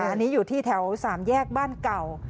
อันนี้อยู่ที่แถว๓แยกบ้านเก่า